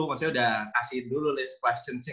maksudnya udah kasih dulu list questionsnya